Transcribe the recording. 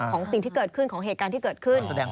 สิ่งที่เกิดขึ้นของเหตุการณ์ที่เกิดขึ้น